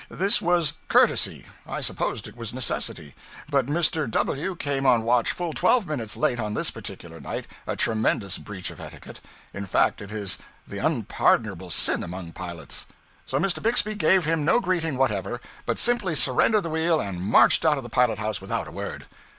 This was courtesy; I supposed it was necessity. But Mr. W came on watch full twelve minutes late on this particular night, a tremendous breach of etiquette; in fact, it is the unpardonable sin among pilots. So Mr. Bixby gave him no greeting whatever, but simply surrendered the wheel and marched out of the pilot house without a word.